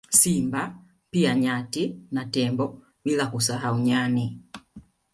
Simba pia nyati na tembo bila kusahau nyani